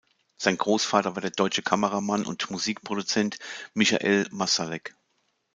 Sein Großvater war der deutsche Kameramann und Musikproduzent Michael Marszalek.